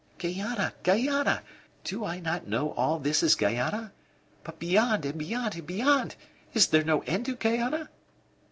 "Guayana Guayana! Do I not know all this is Guayana? But beyond, and beyond, and beyond? Is there no end to Guayana?"